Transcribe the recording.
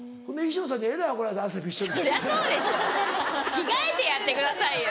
着替えてやってくださいよ。